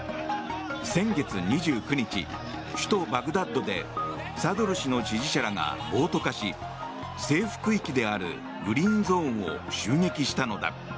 先月２９日、首都バグダッドでサドル師の支持者らが暴徒化し政府区域であるグリーンゾーンを襲撃したのだ。